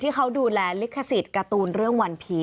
เขาดูแลลิขสิทธิ์การ์ตูนเรื่องวันผี